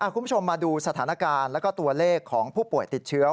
คุณผู้ชมมาดูสถานการณ์แล้วก็ตัวเลขของผู้ป่วยติดเชื้อ